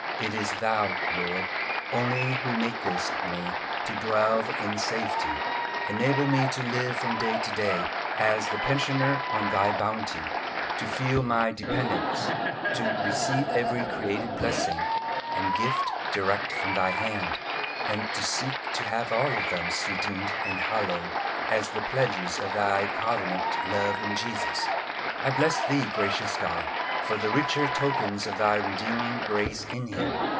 It is Thou, Lord, only who makest me to dwell in safety. Enable me to live from day to day as the pensioner on Thy bounty; to feel my dependence; to receive every created blessing and gift direct from Thy hand, and to seek to have all of them sweetened and hallowed as the pledges of Thy covenant love in Jesus. I bless Thee, gracious God, for the richer tokens of Thy redeeming grace in Him.